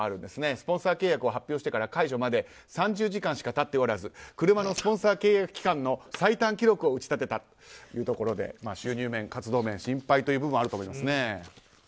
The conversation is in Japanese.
スポンサー契約を発表してから解除まで３０時間しか経っておらず車のスポンサー契約期間の最短記録を打ち立てたというところで収入面、活動面心配という部分はあると思います。